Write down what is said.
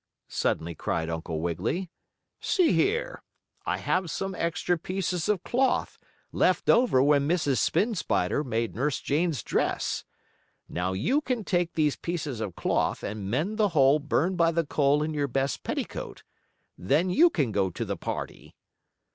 suddenly cried Uncle Wiggily. "See here! I have some extra pieces of cloth, left over when Mrs. Spin Spider made Nurse Jane's dress. Now you can take these pieces of cloth and mend the hole burned by the coal in your best petticoat. Then you can go to the party."